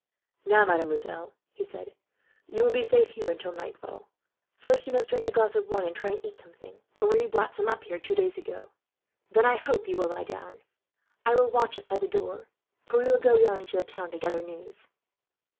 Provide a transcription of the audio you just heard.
"Now, mademoiselle," he said, "you will be safe here until nightfall. First you must drink a glass of wine, and try and eat something. Pierre brought some up here, two days ago. Then I hope you will lie down. I will watch outside the door. Pierre will go down into the town, to gather news."